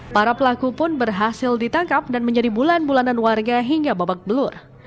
para pelaku pun berhasil ditangkap dan menjadi bulan bulanan warga hingga babak belur